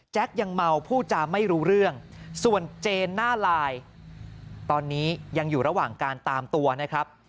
ยังเมาผู้จาไม่รู้เรื่องส่วนเจนหน้าลายตอนนี้ยังอยู่ระหว่างการตามตัวนะครับ